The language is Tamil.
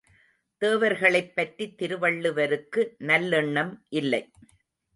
தேவர்களைப் பற்றித் திருவள்ளுவருக்கு நல்லெண்ணம் இல்லை.